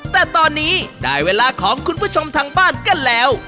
แต่ตอนนี้ได้เวลาของคุณผู้ชมทางบ้านกันแล้ว